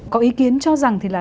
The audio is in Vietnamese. có ý kiến cho rằng thì là